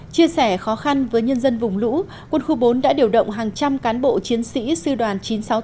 chia sẻ khó khăn với nhân dân vùng lũ quân khu bốn đã điều động hàng trăm cán bộ chiến sĩ sư đoàn chín trăm sáu mươi tám